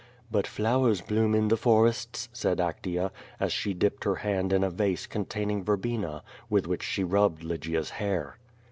*' "But flowers bloom in the forests," said Actea, as she dipped lier hand in a vase containing verbena, with which she rubbed Ijygia's hair.